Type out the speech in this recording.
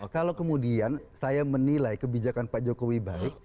kalau kemudian saya menilai kebijakan pak jokowi baik